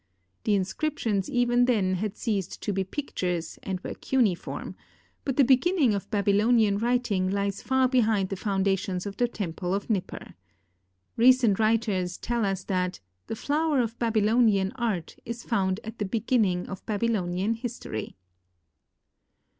The inscriptions even then had ceased to be pictures and were cuneiform ; but the beginning of Baby lonian writing lies far behind the foundations of the temple of Nipper. Recent writers tell us that " the flower of Babylonian art is found at the beginning of Babylonian history."